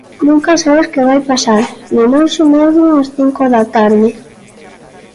Nunca sabes que vai pasar, nin hoxe mesmo ás cinco da tarde.